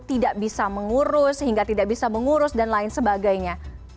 tidak bisa mengurus sehingga tidak bisa mengurus dan lain sebagainya